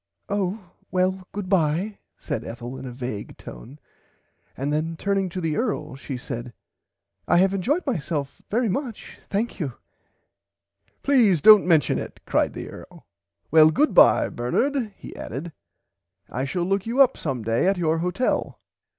Oh well goodbye said Ethel in a vage tone and then turning to the earl she said [Pg 87] I have enjoyed myself very much thankyou. Please dont mention it cried the earl well goodbye Bernard he added I shall look you up some day at your hotel.